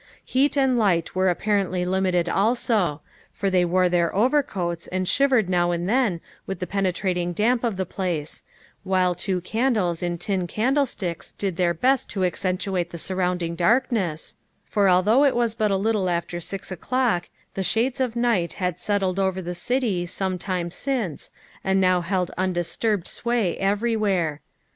Heat and light were appar ently limited also, for they wore their overcoats and shivered now and then with the penetrating damp of the place, while two candles in tin candlesticks did their best to accentuate the surrounding darkness, for although it was but a little after six o'clock the shades of night had settled over the city some time since and now held undisturbed sway everywhere.